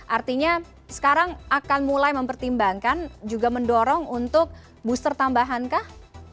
artinya sekarang akan mulai mempertimbangkan juga mendorong untuk booster tambahankah